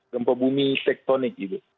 gempa bumi tektonik